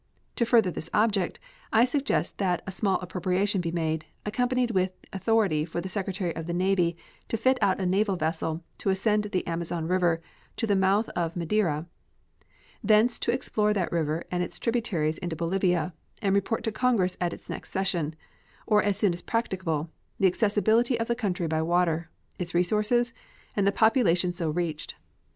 To further this object I suggest that a small appropriation be made, accompanied with authority for the Secretary of the Navy to fit out a naval vessel to ascend the Amazon River to the mouth of the Madeira; thence to explore that river and its tributaries into Bolivia, and to report to Congress at its next session, or as soon as practicable, the accessibility of the country by water, its resources, and the population so reached.